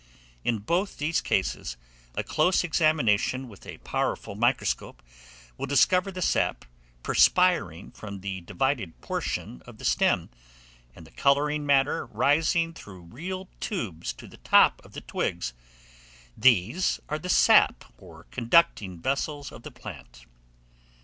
In both these cases, a close examination with a powerful microscope, will discover the sap perspiring from the divided portion of the stem, and the colouring matter rising through real tubes to the top of the twig: these are the sap or conducting vessels of the plant.